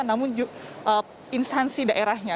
namun juga instansi daerahnya